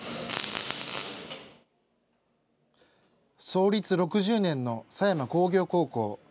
創立６０年の狭山工業高校。